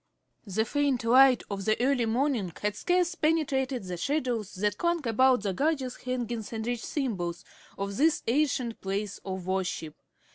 The faint light of the early morning had scarce penetrated the shadows that clung about the gorgeous hangings and rich symbols of this ancient place of worship.